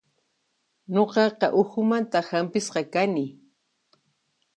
Nuqaqa uhumanta hampisqa kani.